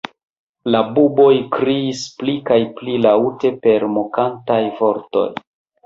La buboj kriis pli kaj pli laŭte per mokantaj vortoj.